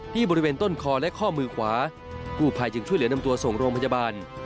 บริเวณต้นคอและข้อมือขวากู้ภัยจึงช่วยเหลือนำตัวส่งโรงพยาบาล